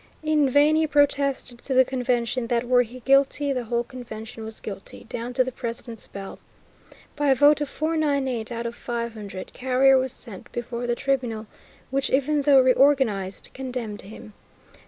In vain he protested to the Convention that, were he guilty, the whole Convention was guilty, "down to the President's bell." By a vote of 498 out of 500, Carrier was sent before the Tribunal which, even though reorganized, condemned him.